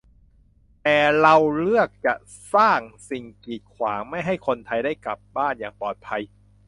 แต่เราเลือกจะสร้างสิ่งกีดขวาง ไม่ให้คนไทยได้กลับบ้านอย่างปลอดภัย